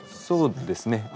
そうですね。